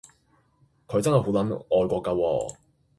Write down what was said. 佢真係好撚愛國㗎喎